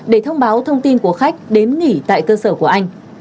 để thông báo thông tin của khách đến nghỉ tại cơ sở của anh